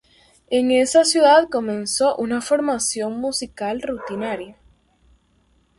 En esa ciudad comenzó una formación musical rutinaria.